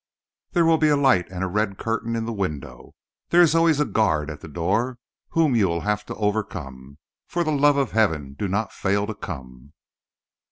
There will be a light and a red curtain in the window. There is always a guard at the door, whom you will have to overcome. For the love of heaven, do not fail to come."